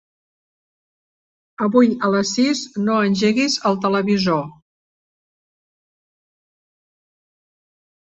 Avui a les sis no engeguis el televisor.